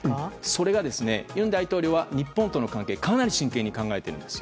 それが、尹大統領は日本との関係をかなり真剣に考えているんです。